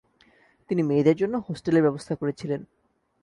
তিনি মেয়েদের জন্য হোস্টেলের ব্যবস্থা করেছিলেন।